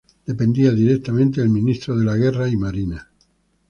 Dependía directamente del Ministro de Guerra y Marina.